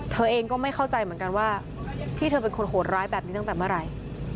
เธอเองก็ไม่เข้าใจเหมือนกันว่าพี่เธอเป็นคนโหดร้ายแบบนี้ตั้งแต่เมื่อไหร่